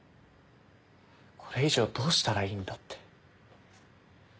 これ以上どうしたらいいんだって。